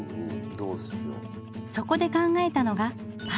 そこで考えたのがパフェ。